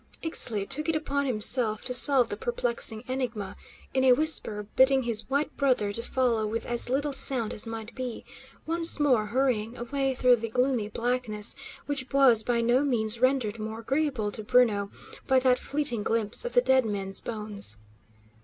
Ixtli took it upon himself to solve the perplexing enigma, in a whisper bidding his white brother follow with as little sound as might be, once more hurrying away through the gloomy blackness, which was by no means rendered more agreeable to Bruno by that fleeting glimpse of the dead men's bones.